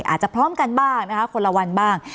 อาจจะพร้อมกันบ้างนะคะคนละวันบ้าง